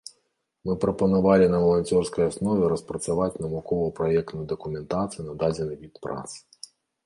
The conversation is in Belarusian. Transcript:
Мы прапанавалі на валанцёрскай аснове распрацаваць навукова-праектную дакументацыю на дадзены від прац.